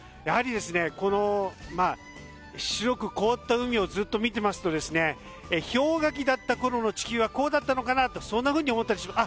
この白く凍った海をずっと見ていると氷河期だったころの地球はこうだったのかなとそんなふうに思ったりします。